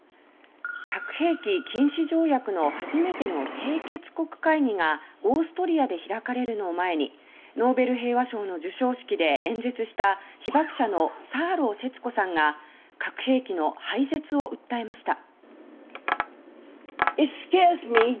核兵器禁止条約の初めての締結国会議がオーストリアで開かれるのを前にノーベル平和賞の授賞式で演説した被爆者のサーロー節子さんが核兵器の廃絶を訴えました。